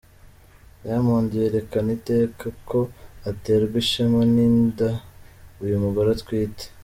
Diamond yerekana iteka ko aterwa ishema n’inda uyu mugore atwite.